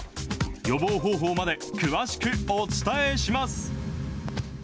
予防方法まで詳しくお伝えします。